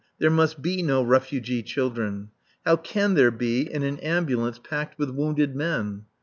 There must be no refugee children. How can there be in an ambulance packed with wounded men?